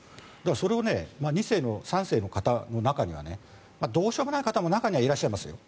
それを２世、３世の方の中にはどうしようもない方も中にはいらっしゃいますよ。